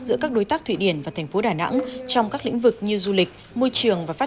giữa các đối tác thụy điển và thành phố đà nẵng trong các lĩnh vực như du lịch môi trường và phát